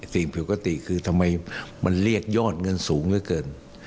สิ่งผิดปกติคือทำไมมันเรียกยอดเงินสูงเหลือเกิน